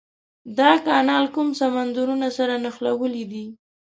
دا کانال کوم سمندرونه سره نښلولي دي؟